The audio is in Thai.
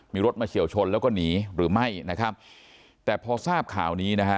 มีรถมาเฉียวชนแล้วก็หนีหรือไม่นะครับแต่พอทราบข่าวนี้นะฮะ